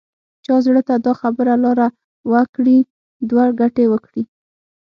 چا زړه ته دا خبره لاره وکړي دوه ګټې وکړي.